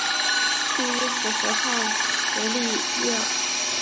叙伊兹河畔维利耶尔。